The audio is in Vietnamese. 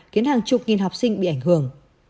khiến hàng chục nghìn học sinh bị ảnh hưởng